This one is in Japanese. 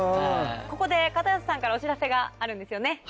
ここで片寄さんからお知らせがあるんですよね？